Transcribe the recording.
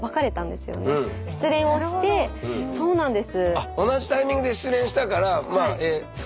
そうなんです。